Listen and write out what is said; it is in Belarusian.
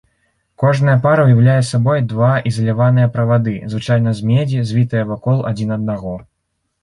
Кожная пара ўяўляе сабой два ізаляваныя правады, звычайна з медзі, звітыя вакол адзін аднаго.